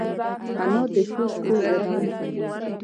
انا د ښو شپو یادونه کوي